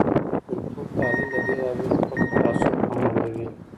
د کلتور تحلیل له بیلابیلو خلګو څخه تعصب کمرنګوي.